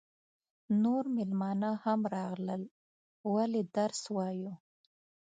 نور مېلمانه هم راغلل ولې درس وایو.